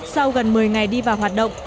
sau gần một mươi ngày đi vào hoạt động